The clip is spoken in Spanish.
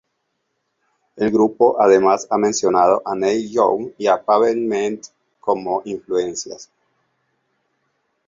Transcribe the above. El grupo además ha mencionado a Neil Young y a Pavement como influencias.